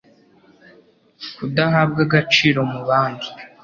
Kudahabwa agaciro mu bandi